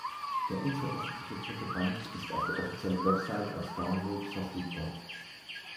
Der unveröffentlichte dritte Band ist auf der offiziellen Website als Download verfügbar.